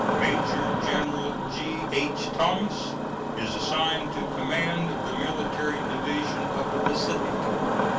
Major General G.H. Thomas is assigned to command the Military Division of the Pacific.